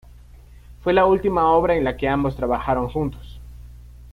Fue la última obra en la que ambos trabajaron juntos.